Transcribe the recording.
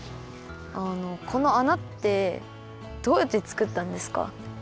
あのこのあなってどうやってつくったんですか？